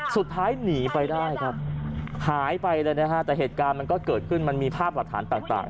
สุดท้ายหนีไปได้ครับหายไปเลยนะฮะแต่เหตุการณ์มันก็เกิดขึ้นมันมีภาพหลักฐานต่าง